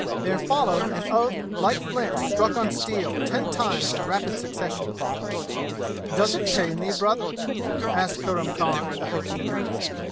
There followed an oath like flint struck on steel ten times in rapid succession. "Does it pain thee, brother?" asked Kurram Khan the hakim.